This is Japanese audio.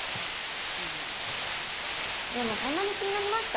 うんでもそんなに気になりますか？